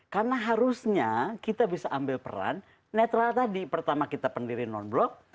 karena harusnya kita bisa ambil peran netral tadi pertama kita pendiri non block